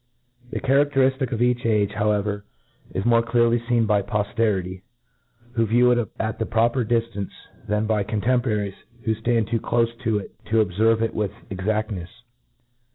The characteriftic of each age, however, is more clearly feen by polterity, who view it at the proper diftance, than by contemporaries, who ftand too clofe to it to obferve it with cxr aftnefs.